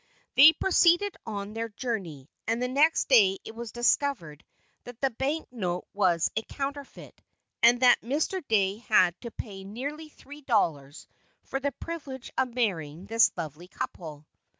They proceeded on their journey, and the next day it was discovered that the bank note was a counterfeit, and that Mr. Dey had to pay nearly three dollars for the privilege of marrying this loving couple.